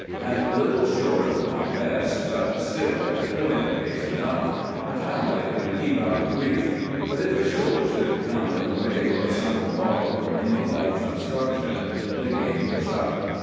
At a little short of my best, but still at a killing pace enough, I found I could keep out of reach. But if a shoal should come in the way, or a sunken log, or any like obstruction, the game was up.